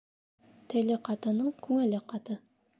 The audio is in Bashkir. Теле ҡатының күңеле ҡаты.